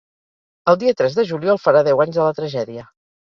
El dia tres de juliol farà deu anys de la tragèdia.